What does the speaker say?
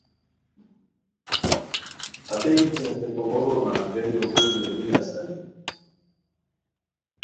ہئے گیتی ہتے کومورو نان بیلیو بو ژور گینی اسیتانی